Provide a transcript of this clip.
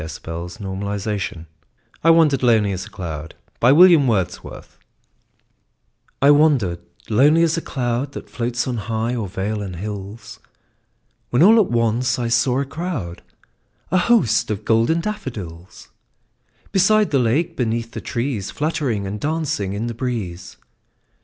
William Wordsworth I Wandered Lonely As a Cloud I WANDERED lonely as a cloud That floats on high o'er vales and hills, When all at once I saw a crowd, A host, of golden daffodils; Beside the lake, beneath the trees, Fluttering and dancing in the breeze.